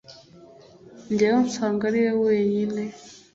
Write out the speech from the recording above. Njyayo nsanga ari we wenyine